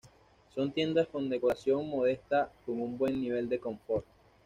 Son tiendas con decoración modesta, con un buen nivel de confort.